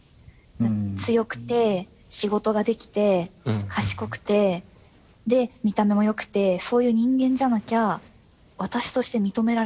強くて仕事ができて賢くてで見た目も良くてそういう人間じゃなきゃ私として認められないのだみたいな。